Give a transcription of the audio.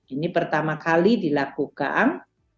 ini pertama kali dilakukan